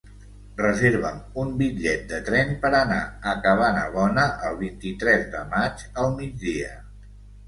Reserva'm un bitllet de tren per anar a Cabanabona el vint-i-tres de maig al migdia.